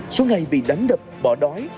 số ngày bị đánh đập bỏ đói